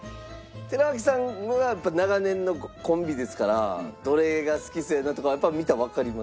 寺脇さんはやっぱ長年のコンビですからどれが好きそうやなとかやっぱ見たらわかりますか？